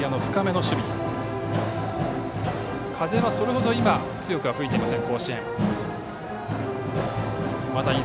風はそれほど今強くは吹いていません、甲子園。